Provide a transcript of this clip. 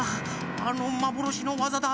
あのまぼろしのわざだ。